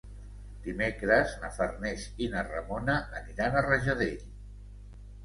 Dimecres na Farners i na Ramona aniran a Rajadell.